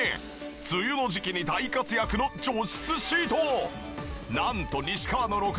梅雨の時期に大活躍の除湿シート！